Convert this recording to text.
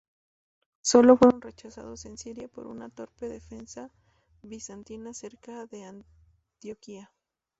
Sólo fueron rechazados en Siria por una torpe defensa bizantina cerca de Antioquía.